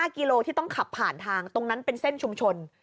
กิโลที่ต้องขับผ่านทางตรงนั้นเป็นเส้นชุมชน